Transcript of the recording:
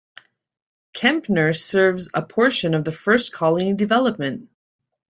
Kempner serves a portion of the First Colony development.